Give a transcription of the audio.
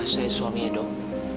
saya suaminya dong